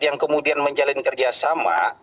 yang kemudian menjalin kerja sama